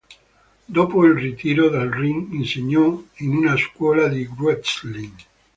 Dopo il ritiro dal ring, insegnò in una scuola di wrestling.